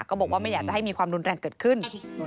บอกว่าไม่อยากจะให้มีความรุนแรงเกิดขึ้น